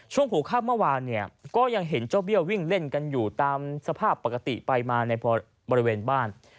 หัวข้ามเมื่อวานเนี่ยก็ยังเห็นเจ้าเบี้ยววิ่งเล่นกันอยู่ตามสภาพปกติไปมาในบริเวณบ้าน